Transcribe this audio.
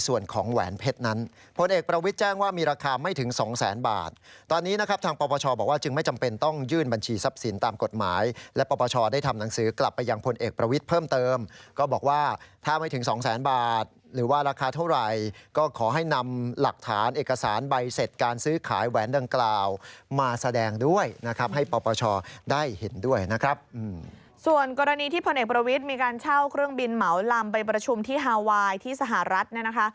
ส่วนกรณีที่พลเอกประวิทย์มีการเช่าเครื่องบินเหมาลำไปประชุมที่ฮาไวน์ที่สหรัฐรัฐ